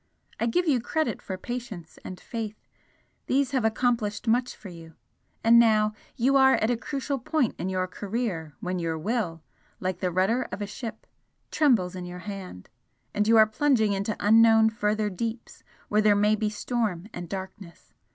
I give you credit for patience and faith these have accomplished much for you and now you are at a crucial point in your career when your Will, like the rudder of a ship, trembles in your hand, and you are plunging into unknown further deeps where there may be storm and darkness.